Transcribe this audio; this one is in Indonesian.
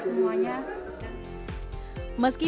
semuanya meski masih berada dalam kondisi pandemi